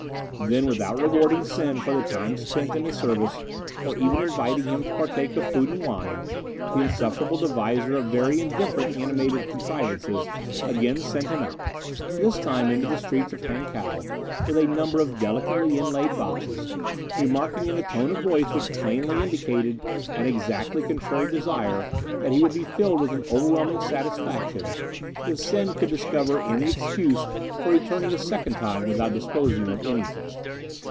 Then, without rewarding Sen for the time spent in his service, or even inviting him to partake of food and wine, the insufferable deviser of very indifferent animated contrivances again sent him out, this time into the streets of Hankow with a number of delicately inlaid boxes, remarking in a tone of voice which plainly indicated an exactly contrary desire that he would be filled with an overwhelming satisfaction if Sen could discover any excuse for returning a second time without disposing of anything.